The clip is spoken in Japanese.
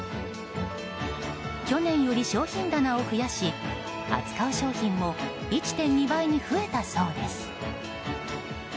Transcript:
去年より商品棚を増やし扱う商品も１．２倍に増えたそうです。